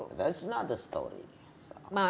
itu bukan cerita